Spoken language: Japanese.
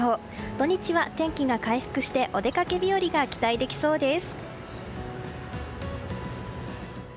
土日は天気が回復してお出かけ日和が期待できそうです。